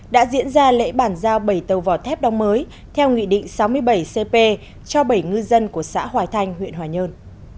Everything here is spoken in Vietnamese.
đã diễn ra lễ bản giao bảy tàu vỏ thép đóng mới theo nghị định sáu mươi bảy cp cho bảy ngư dân của xã hoài thanh huyện hoài nhơn